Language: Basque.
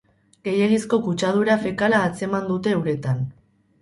Gehiegizko kutsadura fekala atzeman dute uretan.